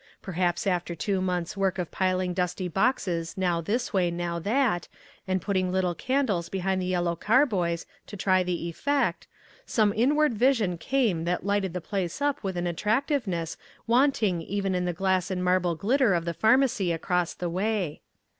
Perhaps after two months' work of piling dusty boxes now this way, now that, and putting little candles behind the yellow carboys to try the effect, some inward vision came that lighted the place up with an attractiveness wanting even in the glass and marble glitter of the Pharmacy across the way.